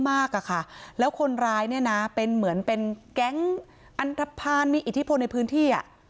มากแล้วคนร้ายเป็นแก๊งอันทภารณ์มีอิทธิพลในพื้นที่